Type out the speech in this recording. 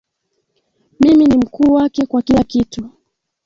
Mimi ni mkuu wake kwa kila kitu.